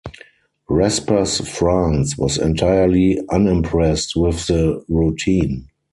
Respers France was entirely unimpressed with the routine.